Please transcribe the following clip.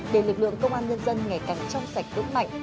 để lực lượng công an nhân dân ngày càng trong sạch vững mạnh